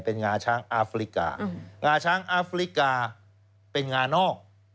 เป็นงาช้างอาฟริกางาช้างอาฟริกาเป็นงานอก